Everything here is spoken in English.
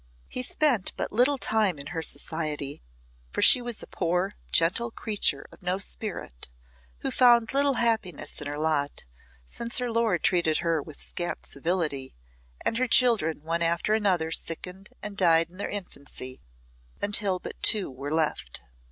He spent but little time in her society, for she was a poor, gentle creature of no spirit, who found little happiness in her lot, since her lord treated her with scant civility, and her children one after another sickened and died in their infancy until but two were left.